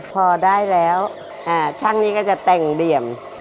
พอได้แล้วช่างนี้ก็จะแต่งเหลี่ยม